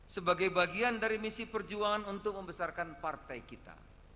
sebagai bagian dari misi perjuangan untuk membesarkan partai kita